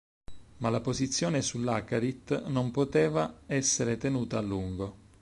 Ma la posizione sull'Akarit non poteva essere tenuta a lungo.